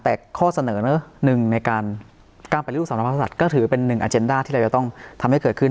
แต่ข้อเสนอหนึ่งในการปฏิรูปสรรพสัตว์ก็ถือเป็นหนึ่งอาเจนด้าที่เราจะต้องทำให้เกิดขึ้น